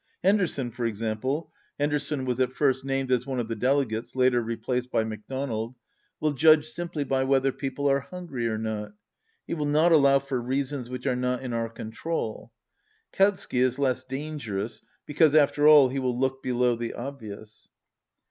Henderson, for ex ample (Henderson was at first named as one of the delegates, later replaced by MacDonald), will judge simply by whether people are hungry or not. He will not allow for reasons which are not in our control. Kautsky is less dangerous, be cause, after all, he will look below the obvious."